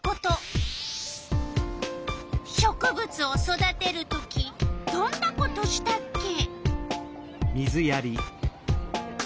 植物を育てる時どんなことしたっけ？